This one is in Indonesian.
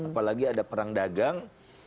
apalagi ada perang dagang